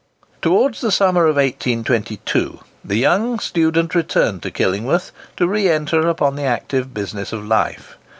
Towards the end of the summer of 1822 the young student returned to Killingworth to re enter upon the active business of life.